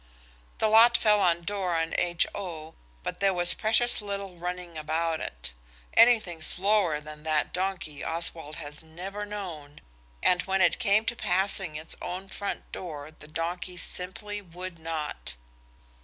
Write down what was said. The lot fell on Dora and H.O., but there was precious little running about. Anything slower than that donkey Oswald has never known, and when it came to passing its own front door the donkey simply would not.